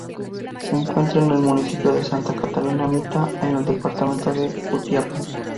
Se encuentra en el municipio de Santa Catarina Mita en el departamento de Jutiapa.